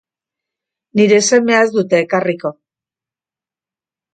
Nire semea ez dute ekarriko.